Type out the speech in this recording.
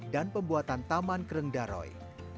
dan pembuatan taman kereng daroy